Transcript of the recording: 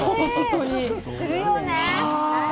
するよね。